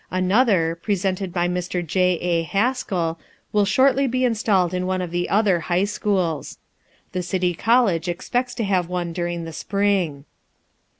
Another, presented by Mr. J. A. Haskell, will shortly be installed in one of the other high schools. The City College expects to have one during the spring.